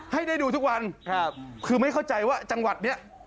ให้ได้ดูทุกวันครับคือไม่เข้าใจว่าจังหวัดเนี้ย